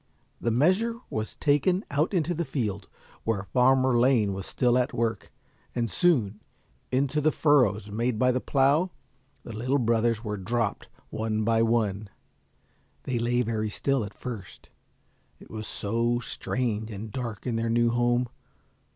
The measure was taken, out into the field, where Farmer Lane was still at work, and soon, into the furrows made by the plow, the little brothers were dropped one by one. They lay very still at first. It was so strange and dark in their new home.